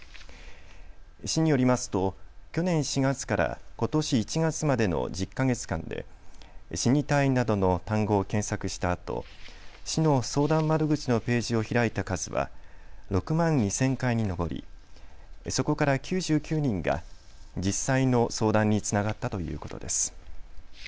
市によりますと去年４月からことし１月までの１０か月間で死にたいなどの単語を検索したあと市の相談窓口のページを開いた数は６万２０００回に上り、そこから９９人が実際の相談につながったということです。